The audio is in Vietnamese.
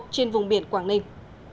trên vùng biển quảng ninh